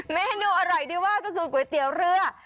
เมนูอร่อยที่ว่าก็คือก๋วยเตี๋ยวเรือ